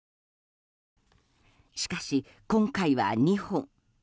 しかし、今回は２本。